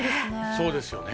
そうですよね。